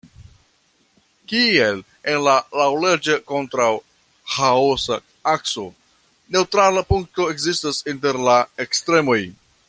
Kiel en la laŭleĝa-kontraŭ-ĥaosa akso, neŭtrala punkto ekzistas inter la ekstremoj.